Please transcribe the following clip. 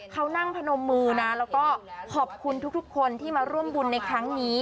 เขานั่งพนมมือนะแล้วก็ขอบคุณทุกคนที่มาร่วมบุญในครั้งนี้